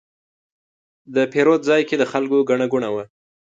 د پیرود ځای کې د خلکو ګڼه ګوڼه وه.